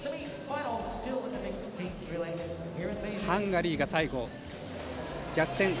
ハンガリーが最後、逆転。